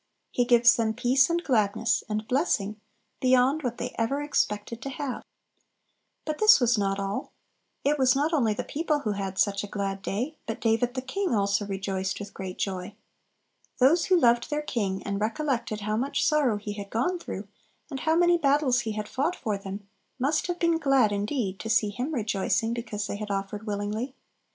He gives them peace, and gladness, and blessing, beyond what they ever expected to have. But this was not all; it was not only the people who had such a glad day, but "David the king also rejoiced with great joy." Those who loved their king, and recollected how much sorrow he had gone through, and how many battles he had fought for them, must have been glad indeed to see Him rejoicing because they had offered willingly.